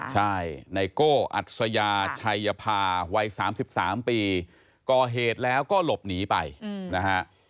ใช่ไนโก้อัศยาชัยภาวัย๓๓ปีก่อเหตุแล้วก็หลบหนีไปนะฮะ